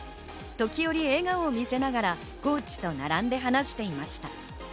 時折笑顔を見せながらコーチと並んで話していました。